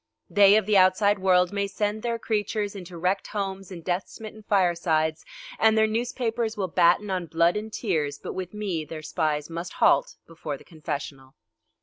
They of the outside world may send their creatures into wrecked homes and death smitten firesides, and their newspapers will batten on blood and tears, but with me their spies must halt before the confessional.